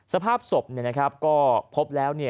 สภาพศพก็พบแล้ว